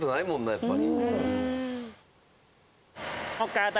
やっぱり。